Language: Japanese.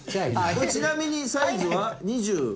ちなみにサイズは？